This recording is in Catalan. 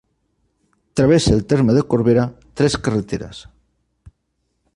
Travessa el terme de Corbera tres carreteres.